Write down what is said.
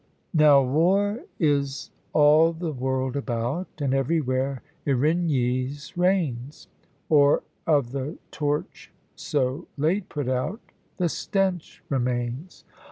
_ Now war is all the world about, And everywhere Erinnys reigns; Or of the torch so late put out The stench remains.